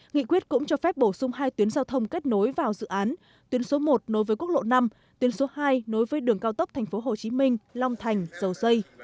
nghị quyết cũng cho phép bổ sung hai tuyến giao thông kết nối vào dự án tuyến số một nối với quốc lộ năm tuyến số hai nối với đường cao tốc tp hcm long thành dầu dây